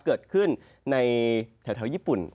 เกิดขึ้นในแถวญี่ปุ่น